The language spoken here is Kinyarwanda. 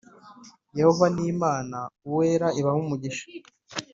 Yehova Imana ni uwera ibahe umugisha